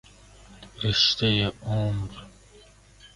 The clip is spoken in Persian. رشته عمر